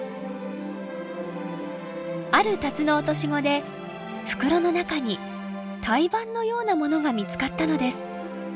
あるタツノオトシゴで袋の中に胎盤のようなものが見つかったのです。